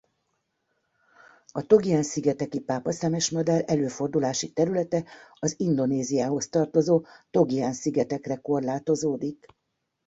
A Togian-szigeteki pápaszemesmadár előfordulási területe az Indonéziához tartozó Togian-szigetekre korlátozódik.